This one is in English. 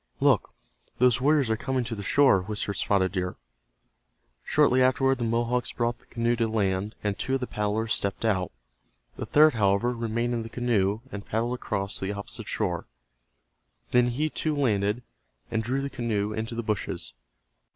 "Look, those warriors are coming to the shore," whispered Spotted Deer. Shortly afterward the Mohawks brought the canoe to land, and two of the paddlers stepped out. The third, however, remained in the canoe, and paddled across to the opposite shore. Then, he, too, landed, and drew the canoe into the bushes.